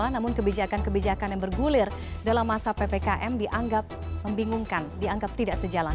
namun kebijakan kebijakan yang bergulir dalam masa ppkm dianggap membingungkan dianggap tidak sejalan